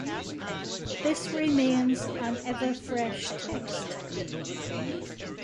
This remains an ever fresh text.